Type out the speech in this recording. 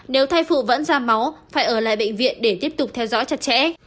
nếu thai phụ vẫn ra máu phải ở lại bệnh viện để tiếp tục theo dõi chặt chẽ